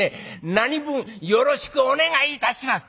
何分よろしくお願いいたします』。